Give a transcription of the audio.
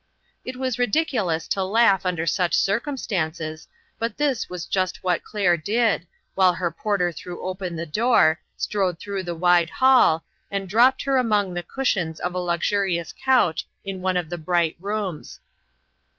It was ridiculous to laugh under such cir cumstances, but this was just what Claire did, while her porter threw open the door, strode through the wide hall, and dropped her among the cushions of a luxurious couch, in one of the bright rooms.